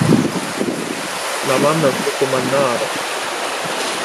La mamma è un lupo mannaro!